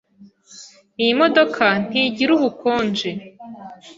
Iyi modoka ntigira ubukonje.